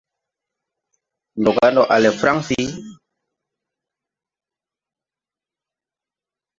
Ndɔ ga ndɔ a le Fransi?